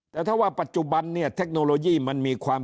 แต่ถ้าว่าปัจจุบันเนี่ยเทคโนโลยีมันมีความ